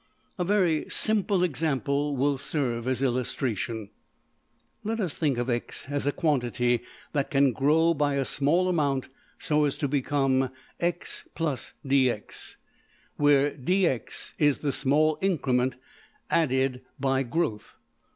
A very simple example will serve as illustration. Let us think of $x$ as a quantity that can grow by a small amount so as to become $x + dx$, where $dx$~is the small increment added by growth.